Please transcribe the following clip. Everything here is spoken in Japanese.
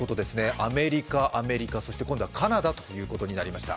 アメリカ、アメリカ、そして今度はカナダということになりました。